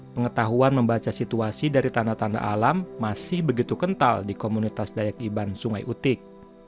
pengetahuan membaca situasi dari tanah tanah alam masih begitu kental di komunitas dayak iban sungai utik